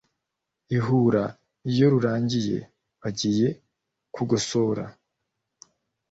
Ihura iyo rirangiye bagiye kugosora,